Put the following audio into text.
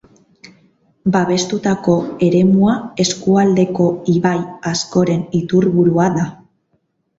Babestutako eremua eskualdeko ibai askoren iturburua da.